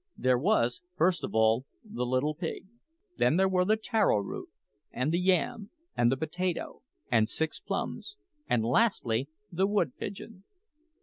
There was, first of all, the little pig; then there were the taro root, and the yam, and the potato, and six plums; and lastly, the wood pigeon.